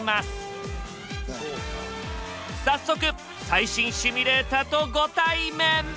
早速最新シミュレータとご対面！